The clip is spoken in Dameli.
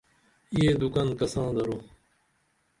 یہ دُکن کساں درو؟